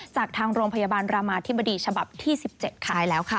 จากทางโรงพยาบาลรามาธิบดีฉบับที่๑๗ขายแล้วค่ะ